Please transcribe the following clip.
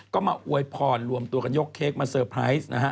ก็มาอวยพรรวมตัวกันยกเค้กมาเตอร์ไพรส์นะฮะ